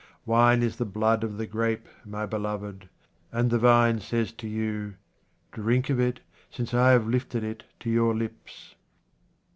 Wine is the blood of the grape, my beloved, and the vine says to you, " Drink of it, since I have lifted it to your lips."